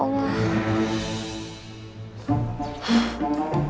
apa yang harus aku lakukan